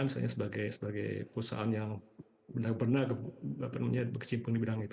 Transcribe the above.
misalnya sebagai perusahaan yang benar benar berkecimpung di bidang itu